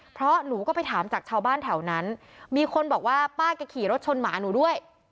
เพราะหนูก็ไปถามจากชาวบ้านแถวนั้นมีคนบอกว่าป้าแกขี่รถชนหมาหนูด้วย